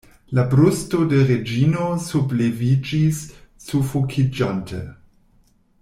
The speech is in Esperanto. La brusto de Reĝino subleviĝis, sufokiĝante.